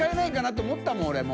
て思ったもん俺も。